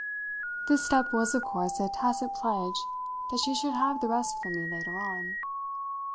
This step was of course a tacit pledge that she should have the rest from me later on.